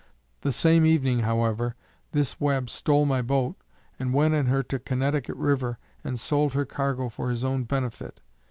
The same evening, however, this Webb stole my boat, and went in her to Connecticut river, and sold her cargo for his own benefit.